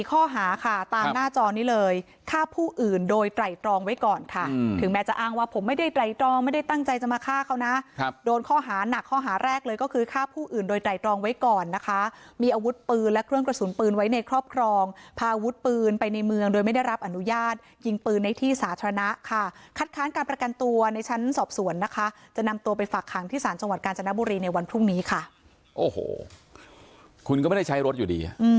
๔ข้อหาค่ะตามหน้าจอนี้เลยค่ะผู้อื่นโดยไต่รองไว้ก่อนค่ะถึงแม้จะอ้างว่าผมไม่ได้ไต่รองไม่ได้ตั้งใจจะมาฆ่าเขานะโดนข้อหานักข้อหาแรกเลยก็คือค่าผู้อื่นโดยไต่รองไว้ก่อนนะคะมีอาวุธปืนและเครื่องกระสุนปืนไว้ในครอบครองพาอาวุธปืนไปในเมืองโดยไม่ได้รับอนุญาตยิงปืนในที่สาธารณะค่ะคัด